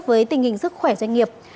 với tình hình sức khỏe doanh nghiệp